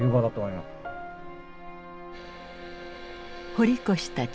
堀越たち